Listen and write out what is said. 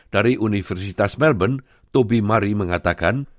dari universitas melbourne toby murray mengatakan